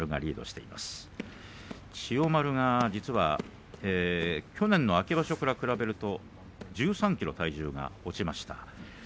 千代丸が去年の秋場所から比べると１３ｋｇ体重が落ちました。